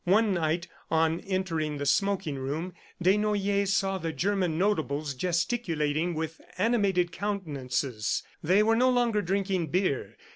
One night, on entering the smoking room, Desnoyers saw the German notables gesticulating with animated countenances. They were no longer drinking beer.